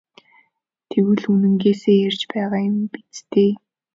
Тэгвэл үнэнээсээ ярьж байгаа юм биз дээ?